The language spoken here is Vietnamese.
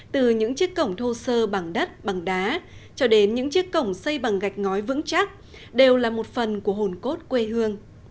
từ những chiếc cổng thô sơ bằng đất bằng đá cho đến những chiếc cổng xây bằng gạch ngói vững chắc đều là một phần của hồn cốt quê hương